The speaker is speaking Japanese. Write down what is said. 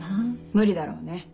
無理だろうね。